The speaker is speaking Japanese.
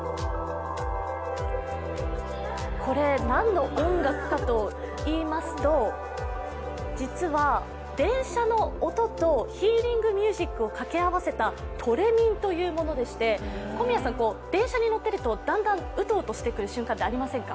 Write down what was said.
これ、何の音楽かといいますと、実は電車の音とヒーリングミュージックを掛け合わせたトレ眠というものでして小宮さん、電車に乗ってるとだんだんうとうとしてくる瞬間ってありませんか？